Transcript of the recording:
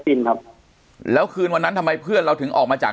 จริงครับแล้วคืนวันนั้นทำไมเพื่อนเราถึงออกมาจาก